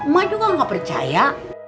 mak juga gak percaya